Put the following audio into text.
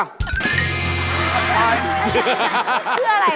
อะไรนะ